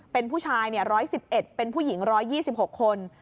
เป็นผู้ชายเนี้ยร้อยสิบเอ็ดเป็นผู้หญิงร้อยยี่สิบหกคน